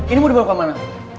ini mau dibawa kemana